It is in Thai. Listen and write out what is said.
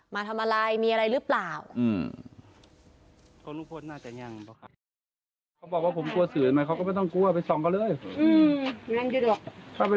มาทำอะไรมีอะไรหรือเปล่า